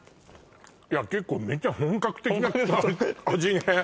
いや結構めちゃ本格的な味ね